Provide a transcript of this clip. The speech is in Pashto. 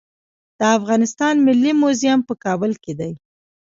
د افغانستان ملي موزیم په کابل کې دی